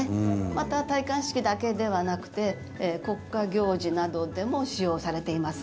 また、戴冠式だけではなくて国家行事などでも使用されています。